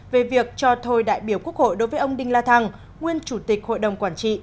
về việc cho thôi đại biểu quốc hội đối với ông đinh la thăng nguyên chủ tịch hội đồng quản trị